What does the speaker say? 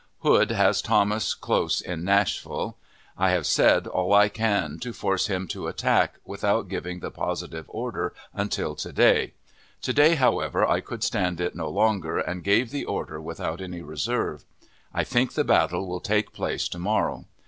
Hood has Thomas close in Nashville. I have said all I can to force him to attack, without giving the positive order until to day. To day, however, I could stand it no longer, and gave the order without any reserve. I think the battle will take place to morrow.